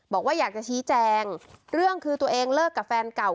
บอกว่าอยากจะชี้แจงเรื่องคือตัวเองเลิกกับแฟนเก่า